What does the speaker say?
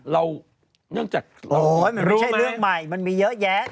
เรายังจัดเรื่องรู้ไหมโอ้ยมันไม่ใช่เรื่องใหม่มันมีเยอะแยะ